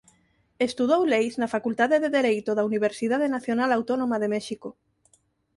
Estudou Leis na Facultade de Dereito da Universidade Nacional Autónoma de México.